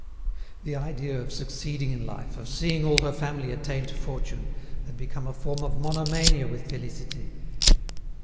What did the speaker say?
The idea of succeeding in life, of seeing all her family attain to fortune, had become a form of monomania with Félicité.